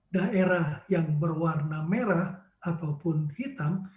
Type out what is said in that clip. daerah yang berwarna merah ataupun hitam